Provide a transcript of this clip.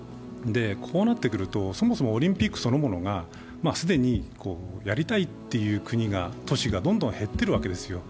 こうなってくると、そもそもオリンピックそのものが既にやりたいという国・都市がどんどん減っているわけですよ。